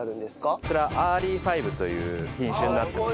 こちらアーリーファイブという品種になってます。